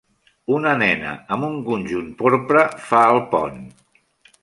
Una nena amb un conjunt porpra fa el pont.